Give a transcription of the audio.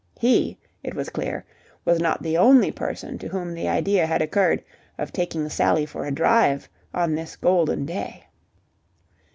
He, it was clear, was not the only person to whom the idea had occurred of taking Sally for a drive on this golden day.